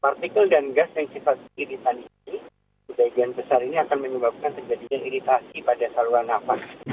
partikel dan gas yang sifat irisan ini sebagian besar ini akan menyebabkan terjadinya iritasi pada saluran nafas